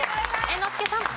猿之助さん。